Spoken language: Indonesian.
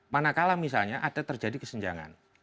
manakala misalnya ada terjadi kesenjangan